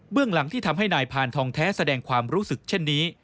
เรื่องหลังที่ทำให้นายพานทองแท้แสดงความรู้สึกเช่นนี้